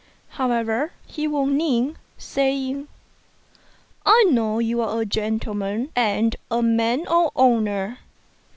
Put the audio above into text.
However, he warned Ning, saying, " I know you are a gentleman and a man of honour.